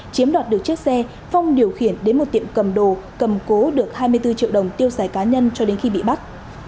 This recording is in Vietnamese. chiếm đoạt được chiếc xe phong điều khiển đến một tiệm cầm đồ cầm cố được hai mươi bốn triệu đồng tiêu xài cá nhân cho đến khi bị bắt